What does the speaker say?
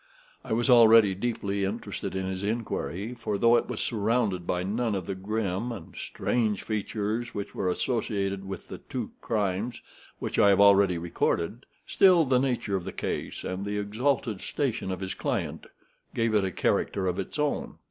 I was already deeply interested in his inquiry, for, though it was surrounded by none of the grim and strange features which were associated with the two crimes which I have already recorded, still, the nature of the case and the exalted station of his client gave it a character of its own.